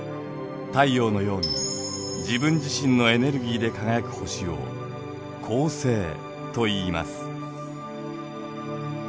太陽のように自分自身のエネルギーで輝く星を恒星といいます。